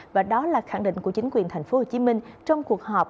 và đó là khẳng định của chính quyền tp hcm trong cuộc họp